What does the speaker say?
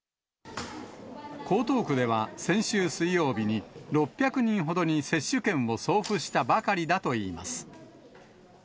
江東区では、先週水曜日に、６００人ほどに接種券を送付したばかりだといいます。